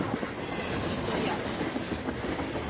И то ја.